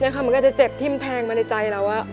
นี่คำมันก็จะเจ็บทิ้มแทงมาในใจเราว่า